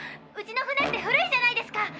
うちの船って古いじゃないですか。